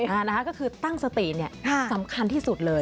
อ่านะคะก็คือตั้งสติเนี่ยสำคัญที่สุดเลย